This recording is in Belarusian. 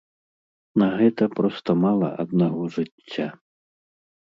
На гэта проста мала аднаго жыцця.